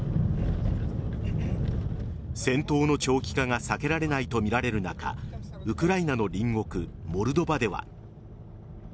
戦闘の長期化が避けられないとみられる中ウクライナの隣国・モルドバでは。